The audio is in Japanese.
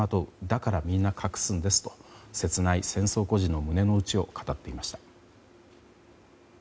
だからみんな隠すんですと切ない戦争孤児の胸の内を語っていました。